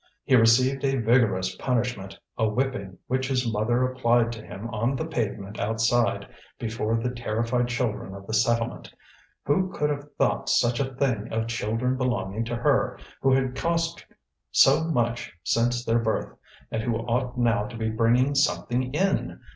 He received a vigorous punishment, a whipping which his mother applied to him on the pavement outside before the terrified children of the settlement. Who could have thought such a thing of children belonging to her, who had cost so much since their birth, and who ought now to be bringing something in?